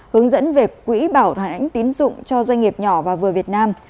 hướng dẫn về quỹ bảo lãnh tín dụng cho doanh nghiệp nhỏ và vừa việt nam